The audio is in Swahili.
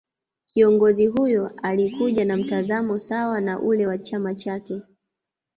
Kiongozi huyo Alikuja na mtazamo sawa na ule wa chama chake